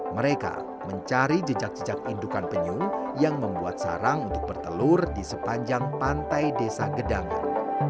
mereka mencari jejak jejak indukan penyu yang membuat sarang untuk bertelur di sepanjang pantai desa gedangan